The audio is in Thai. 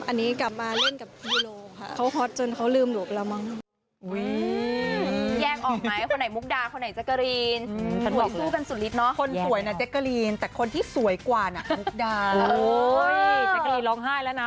อันนี้กลับมาเล่นกับยูโรค่ะเขาฮอตจนเขาลืมหนูไปแล้วมั้ง